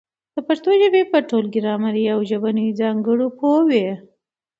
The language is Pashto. د پښتو ژبي په ټولو ګرامري او ژبنیو ځانګړنو پوه وي.